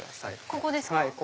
ここですか。